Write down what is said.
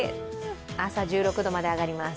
朝１６度まで上がります。